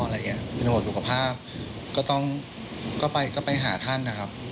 เป็นหัวสุขภาพก็ต้องไปหาท่านนะครับ